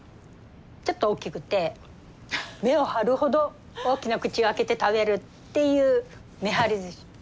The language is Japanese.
ちょっと大きくて目を張るほど大きな口を開けて食べるっていうめはりずし。